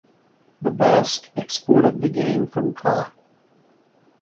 The Basques exported the game from ca.